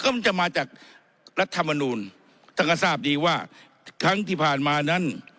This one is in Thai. มันจะมาจากรัฐมนูลท่านก็ทราบดีว่าครั้งที่ผ่านมานั้น